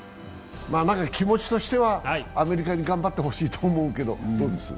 気持ちとしてはアメリカに頑張ってほしいと思うけど。